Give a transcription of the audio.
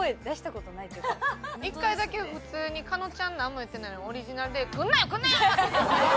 一回だけ普通に加納ちゃんなんも言ってないのにオリジナルで「来んなよ来んなよ」。